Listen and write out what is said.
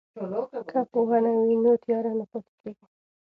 که پوهنه وي نو تیاره نه پاتیږي.